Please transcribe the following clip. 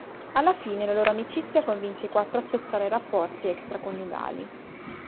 Alla fine la loro amicizia convince i quattro a spezzare i rapporti extraconiugali.